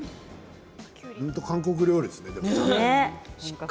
本当に韓国料理ですね。